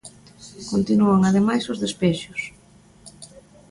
Continúan, ademais, os despexos.